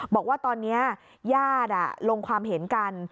บอกว่าตอนนี้ญาติลงความเห็นกัน